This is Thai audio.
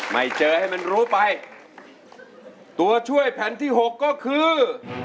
ไม่เจอให้มันรู้ไปตัวช่วยแผ่นที่หกก็คือ